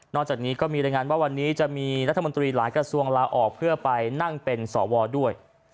จากนี้ก็มีรายงานว่าวันนี้จะมีรัฐมนตรีหลายกระทรวงลาออกเพื่อไปนั่งเป็นสวด้วย